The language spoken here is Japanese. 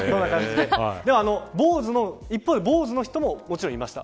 でも一方でぼうずの人ももちろんいました。